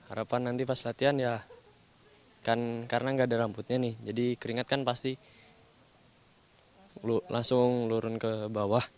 harapan nanti pas latihan ya kan karena nggak ada rambutnya nih jadi keringat kan pasti langsung lurun ke bawah